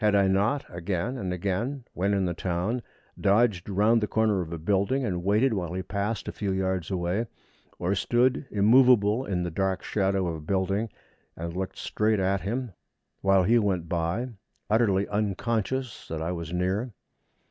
Had I not again and again, when in the town, dodged round the corner of a building, and waited while he passed a few yards away, or stood immovable in the dark shadow of a building, and looked straight at him while he went by utterly unconscious that I was near?